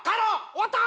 終わった！